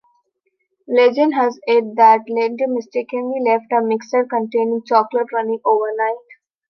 Legend has it that Lindt mistakenly left a mixer containing chocolate running overnight.